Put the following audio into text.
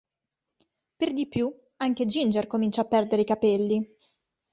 Per di più, anche Ginger comincia a perdere i capelli.